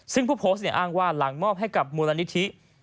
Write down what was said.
ซึ่งผู้โพสต์อ้างว่าหลังมอบให้กับมูลนิธิ